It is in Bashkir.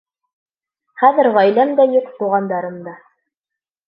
Хәҙер ғаиләм дә юҡ, туғандарым да.